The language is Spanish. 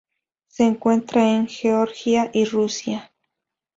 Se encuentran en Georgia y Rusia.